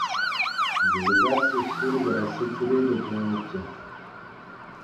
Делегаци Ҫурҫӗр Осетире те пулнӑччӗ.